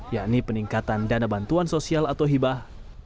yakni peningkatan dana bantuan sosial atau hibah